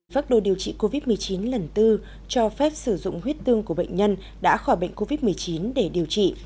phác đồ điều trị covid một mươi chín lần tư cho phép sử dụng huyết tương của bệnh nhân đã khỏi bệnh covid một mươi chín để điều trị